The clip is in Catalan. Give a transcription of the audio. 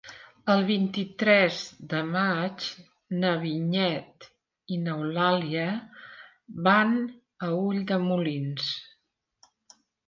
El vint-i-tres de maig na Vinyet i n'Eulàlia van a Ulldemolins.